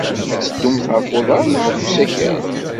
Ad teddumt ɣef uḍar neɣ s usakal?